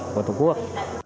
của tổ quốc